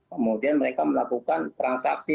kemudian mereka melakukan transaksi